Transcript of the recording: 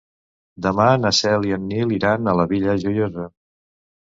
Demà na Cel i en Nil iran a la Vila Joiosa.